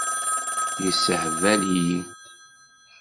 Yessehbal-iyi.